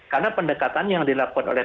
karena pendekatan yang dilakukan oleh